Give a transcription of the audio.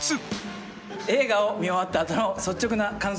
映画を見終わったあとの率直な感想。